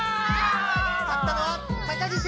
勝ったのは高岸！